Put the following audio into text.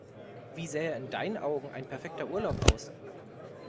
Wie sähe in deinen Augen ein perfekter Urlaub aus?